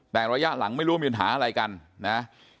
แต่ระยะหลังไม่รู้ว่ามีปัญหาอะไรกันนะ